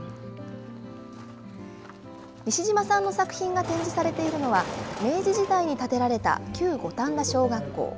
西島さんの作品が展示されているのは、明治時代に建てられた旧五反田小学校。